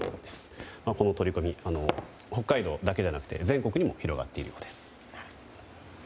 この取り組み北海道だけではなくて全国にも広がっているようです。